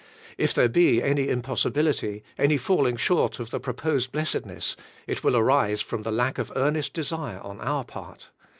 If there be any impossibility, any falling short of the proposed blessedness, it will arise from the lack of earnest de sire on our part.